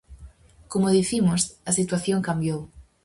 Como dicimos, a situación cambiou.